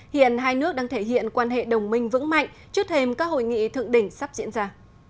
hiện hai nước đang thể hiện quan hệ đồng minh vững mạnh trước thêm các hội nghị thượng đỉnh sắp diễn ra